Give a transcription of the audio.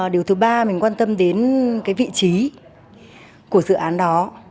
điều thứ ba mình quan tâm đến cái vị trí của dự án đó